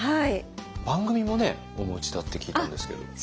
番組もねお持ちだって聞いたんですけれども。